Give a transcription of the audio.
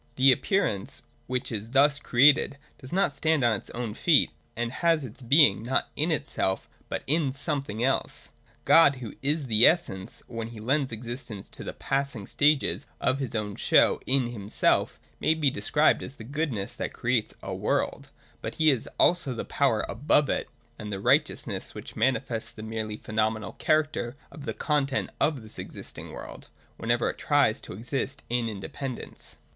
The appear ance which is thus created does not stand on its own feet, and has its being not in itself but in something else. God 240 THE DOCTRINE OF ESSENCE. [131 who is the essence, when He lends existence to the passing stages of his own show in himself, may be described as the goodness that creates a world : but He is also the power above it, and the righteousness, which manifests the merely phenomenal character of the content of this existing world, whenever it tries to exist in independence.